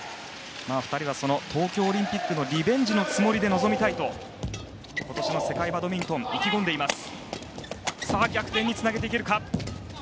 ２人は東京オリンピックのリベンジのつもりで臨みたいと今年の世界バドミントン意気込んでいます。